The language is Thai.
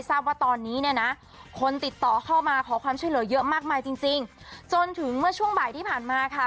ทราบว่าตอนนี้เนี่ยนะคนติดต่อเข้ามาขอความช่วยเหลือเยอะมากมายจริงจริงจนถึงเมื่อช่วงบ่ายที่ผ่านมาค่ะ